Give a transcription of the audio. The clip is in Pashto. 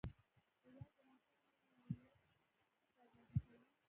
د واک انحصار ملت خوابدی کوي.